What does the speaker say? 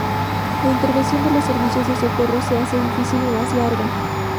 La intervención de los servicios de socorros se hace difícil y mas larga.